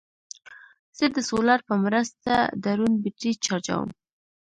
زه د سولر په مرسته ډرون بیټرۍ چارجوم.